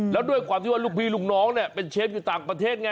แล้วด้วยความที่ว่าลูกพี่ลูกน้องเนี่ยเป็นเชฟอยู่ต่างประเทศไง